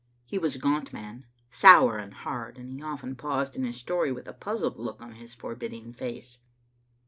He was a gaunt man, sour and hard, and he often paused in his story with a puzzled look on his forbid ding face.